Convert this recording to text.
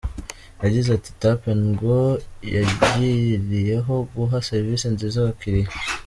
Yagize ati “Tap&Go yagiriyeho guha serivisi nziza abakiriya.